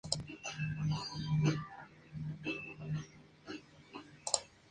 Está regada por el río Marne.